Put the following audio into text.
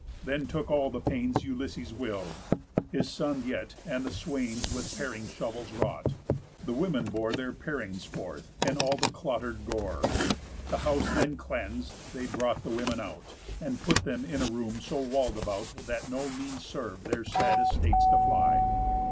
Then took all the pains Ulysses will'd. His son yet and the swains With paring shovels wrought. The women bore Their parings forth, and all the clotter'd gore. The house then cleans'd, they brought the women out, And put them in a room so wall'd about That no means serv'd their sad estates to fly.